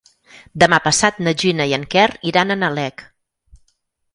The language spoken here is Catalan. Demà passat na Gina i en Quer iran a Nalec.